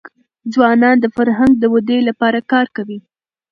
ځوانان د فرهنګ د ودې لپاره کار کوي.